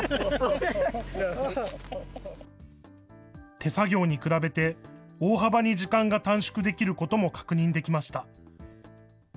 手作業に比べて、大幅に時間が短縮できることも確認できました。